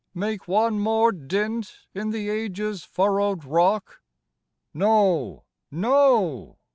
Make one more dint In the ages' furrowed rock? No, no!